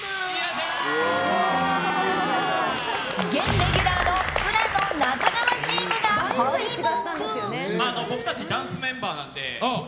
現レギュラーの浦野、中川チームが敗北。